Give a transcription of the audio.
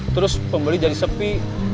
terus pembeli jadi sepi